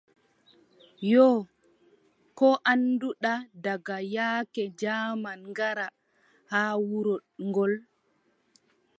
Yoo, koo annduɗa daka yaake jaaman ngara haa wuro ngol ?